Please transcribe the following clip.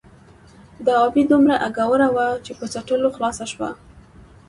ـ د ابۍ دومره اګوره وه ،چې په څټلو خلاصه شوه.